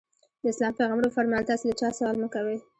د اسلام پیغمبر وفرمایل تاسې له چا سوال مه کوئ.